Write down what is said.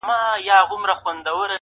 • داده غاړي تعويزونه زما بدن خوري.